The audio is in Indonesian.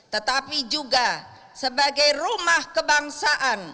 tetapi juga sebagai rumah kebangsaan